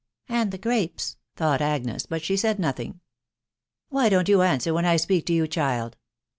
" And the grapes !" thought Agnes, but she said nothing. " Why don't you answer when I speak to you, child ?...